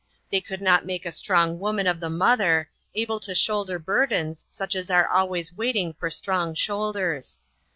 They could not make a strong woman of the mother, able to shoulder bur dens such as are always waiting for strong shoulders.